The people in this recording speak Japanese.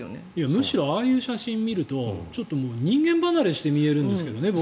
むしろああいう写真を見ると人間離れして見えるんですけどね。